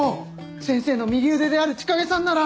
先生の右腕である千景さんなら。